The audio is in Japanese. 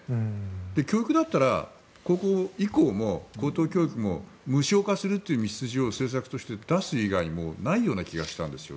教育だったら高校以降も高等教育も無償化するという道筋を政策として出す以外にないような気がしたんです。